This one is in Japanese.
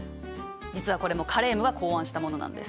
実はこれもカレームが考案したものなんです。